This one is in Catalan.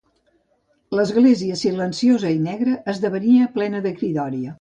L'església silenciosa i negra esdevenia plena de cridòria